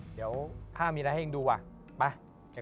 เดี๋ยวข้ามีอะไรให้เองดูว่ะไป